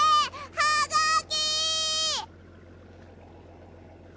はがき！あ。